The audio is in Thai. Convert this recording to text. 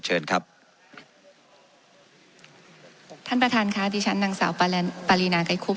เชิญครับท่านประธานค่ะดิฉันนางสาวปารีนาไกรคุบ